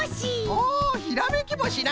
おおひらめきぼしな！